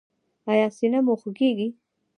ایا سینه مو خوږیږي؟